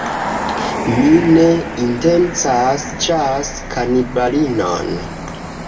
Mi ne intencas ĉasi kanibalinon.